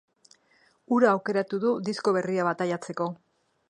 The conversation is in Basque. Hura aukeratu du disko berria bataiatzeko.